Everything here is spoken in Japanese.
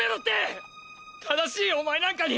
正しいお前なんかに！！